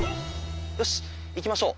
よし行きましょう。